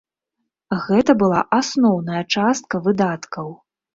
Гэта была асноўная частка выдаткаў.